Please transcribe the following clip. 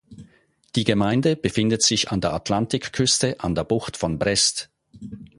Die Gemeinde befindet sich an der Atlantikküste an der Bucht von Brest.